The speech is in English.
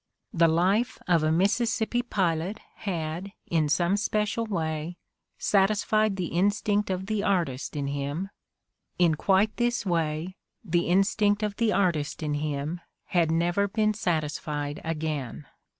The life of a Mississippi pilot had, in some special way, satisfied the instinct of the artist in him; in quite this way, the instinct of the artist in him had never been satisfied again.